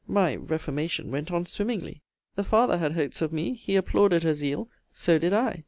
My reformation went on swimmingly. The father had hopes of me: he applauded her zeal: so did I.